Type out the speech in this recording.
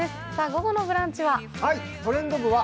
午後の「ブランチ」は？